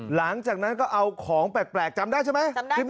หลังจากนั้นก็เอาของแปลกจำได้ใช่ไหม